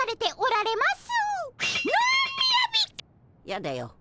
やだよ。